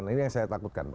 ini yang saya takutkan